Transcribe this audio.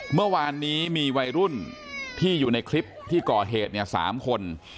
เมื่อวานนี้มีวัยรุ่นที่อยู่ในคลิปที่ก่อเหตุเนี่ย๓คน